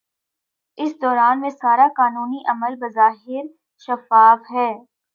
اس دوران میں سارا قانونی عمل بظاہر شفاف ہے۔